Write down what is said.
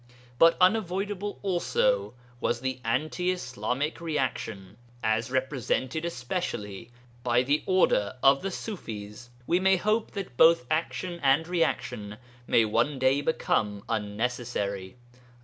But unavoidable also was the anti Islamic reaction, as represented especially by the Order of the Ṣufis. One may hope that both action and reaction may one day become unnecessary.